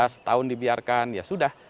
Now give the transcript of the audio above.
setahun dibiarkan ya sudah